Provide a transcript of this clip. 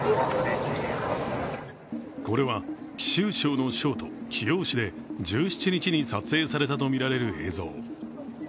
これは、貴州省の省都・貴陽市で１７日に撮影されたとみられる映像。